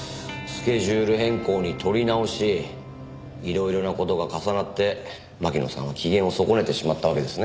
スケジュール変更に撮り直しいろいろな事が重なって巻乃さんは機嫌を損ねてしまったわけですね。